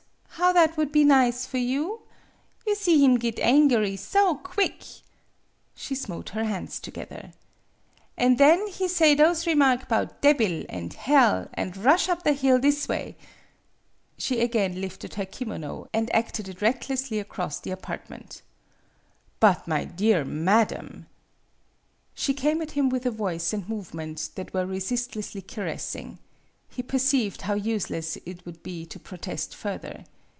How that would be nize for you! You see him git angery so quick." She smote her hands together. "An' then he say those remark 'bout debbil an' hell, an' rush up the hill this away." She again lifted her kimono, and acted it recklessly across the apartment. " But, my dear madame " She came at him with a voice and move ment that were resistlessly caressing. He perceived how useless it would be to pro test further.